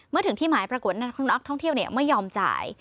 ถึงที่หมายปรากฏว่านักท่องเที่ยวไม่ยอมจ่าย